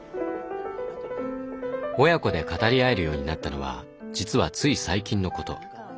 親子で語り合えるようになったのは実はつい最近のこと。